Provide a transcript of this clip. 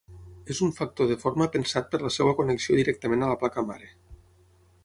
És un factor de forma pensat per la seva connexió directament a la placa mare.